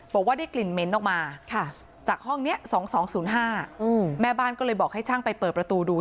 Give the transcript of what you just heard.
บอกว่าได้กลิ่นเหม็นออกมาจากห้องนี้๒๒๐๕แม่บ้านก็เลยบอกให้ช่างไปเปิดประตูดู